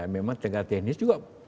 memang tegak teknis juga